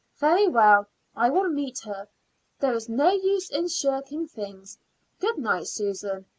Very well, I will meet her. There is no use in shirking things. Good night, Susan.